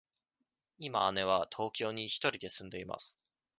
今姉は東京に一人で住んでいます。